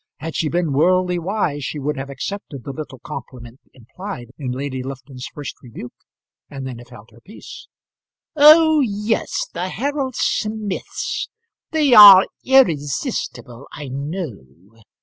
Had she been worldly wise, she would have accepted the little compliment implied in Lady Lufton's first rebuke, and then have held her peace. "Oh, yes; the Harold Smiths! They are irresistible, I know.